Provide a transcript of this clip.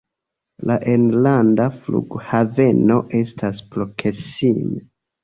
La enlanda flughaveno estas proksime.